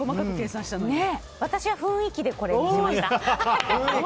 私は雰囲気でこれにしました。